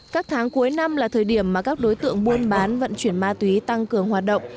các tháng cuối năm là thời điểm mà các đối tượng buôn bán vận chuyển ma túy tăng cường hoạt động